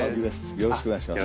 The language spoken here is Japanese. よろしくお願いします。